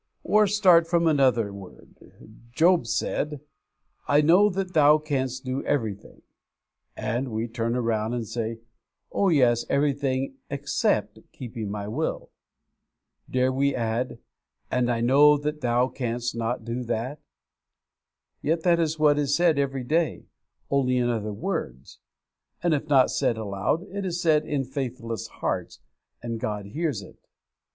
Or, start from another word. Job said, 'I know that Thou canst do everything,' and we turn round and say, 'Oh yes, everything except keeping my will!' Dare we add, 'And I know that Thou canst not do that'? Yet that is what is said every day, only in other words; and if not said aloud, it is said in faithless hearts, and God hears it.